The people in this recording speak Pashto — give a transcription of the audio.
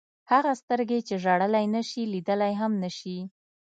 هغه سترګې چې ژړلی نه شي لیدلی هم نه شي.